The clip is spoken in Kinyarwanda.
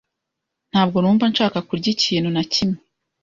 Ntabwo numva nshaka kurya ikintu na kimwe.